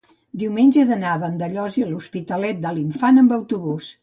diumenge he d'anar a Vandellòs i l'Hospitalet de l'Infant amb autobús.